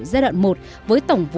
giai đoạn một với tổng tư